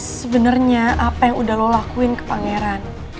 sebenarnya apa yang udah lo lakuin ke pangeran